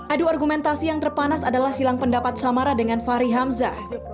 adu argumentasi yang terpanas adalah silang pendapat samara dengan fahri hamzah